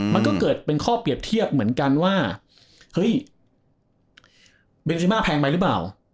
มันก็เกิดเป็นข้อเปรียบเทียบเหมือนกันว่าเฮ้ยเบนซิมาแพงไปหรือเปล่า